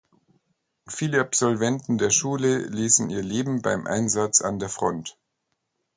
Viele Absolventen der Schule ließen ihr Leben beim Einsatz an der Front.